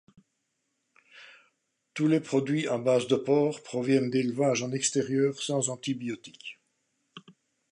Tous les produits à base de porc proviennent d'élevage en extérieur, sans antibiotiques.